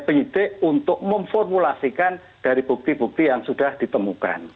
penyidik untuk memformulasikan dari bukti bukti yang sudah ditemukan